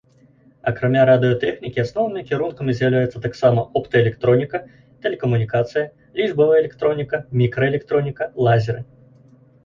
Акрамя радыётэхнікі асноўнымі кірункамі з'яўляюцца таксама оптаэлектроніка, тэлекамунікацыя, лічбавая электроніка, мікраэлектроніка, лазеры.